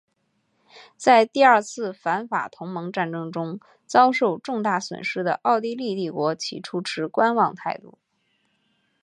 在第二次反法同盟战争中遭受重大损失的奥地利帝国起初持观望态度。